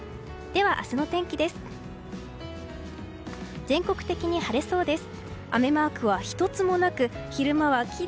では、明日の天気です。